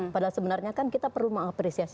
padahal sebenarnya kan kita perlu mengapresiasi